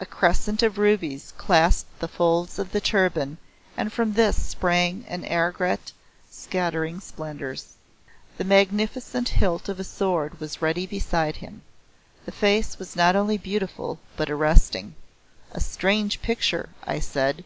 A crescent of rubies clasped the folds of the turban and from this sprang an aigrette scattering splendours. The magnificent hilt of a sword was ready beside him. The face was not only beautiful but arresting. "A strange picture," I said.